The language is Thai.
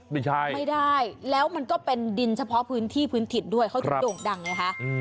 ไม่ได้แล้วมันก็เป็นดินเฉพาะพื้นที่พื้นทิศด้วยเขาจะโด่งดังนะคะ